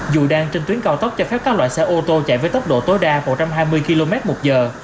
dù đang trên tuyến cao tốc cho phép các loại xe ô tô chạy với tốc độ tối đa một trăm hai mươi km một giờ